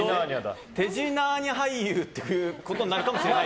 てじなーにゃ俳優っていうことになるかもしれない。